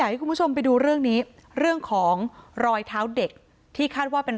ให้คุณผู้ชมไปดูเรื่องนี้เรื่องของรอยเท้าเด็กที่คาดว่าเป็น